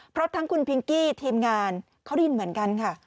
เพราะทั้งคุณพิงกี้ทีมงานเขาได้ยินเหมือนกันค่ะ